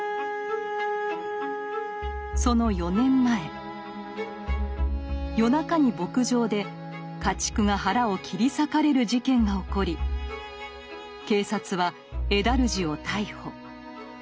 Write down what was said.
その４年前夜中に牧場で家畜が腹を切り裂かれる事件が起こり警察はエダルジを逮捕。